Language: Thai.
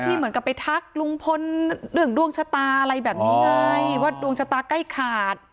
เหมือนกับไปทักลุงพลเรื่องดวงชะตาอะไรแบบนี้ไงว่าดวงชะตาใกล้ขาด